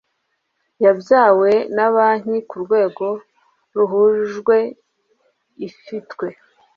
yabyawe na banki ku rwego ruhujwe ifitwe